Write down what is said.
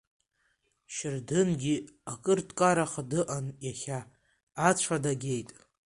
Шардынгьы акыр дкараха дыҟан иахьа, ацәа дагеит.